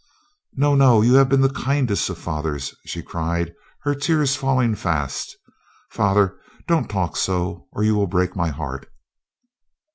"No, no, you have been the kindest of fathers," she cried, her tears falling fast. "Father, don't talk so, or you will break my heart."